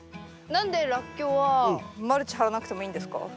何でラッキョウはマルチ張らなくてもいいんですか？